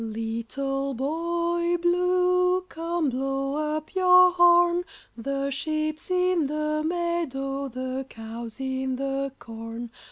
] Little Boy Blue, come blow up your horn, The sheep's in the meadow, the cow's in the corn.